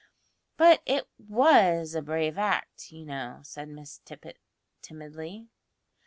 "But it was a brave act, you know," said Miss Tippet timidly.